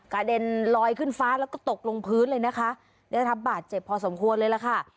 เด็นลอยขึ้นฟ้าแล้วก็ตกลงพื้นเลยนะคะได้รับบาดเจ็บพอสมควรเลยล่ะค่ะ